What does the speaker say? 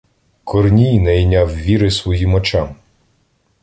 Корній не йняв віри своїм очам.